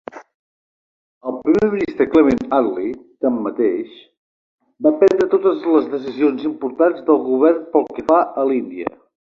El primer ministre Clement Attlee, tanmateix, va prendre totes les decisions importants del govern pel que fa a l'Índia.